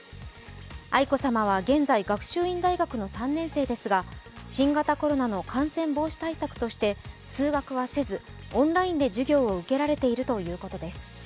愛子さまは現在、学習院大学の３年生ですが新型コロナの感染防止対策として通学はせずオンラインで授業を受けられているということです。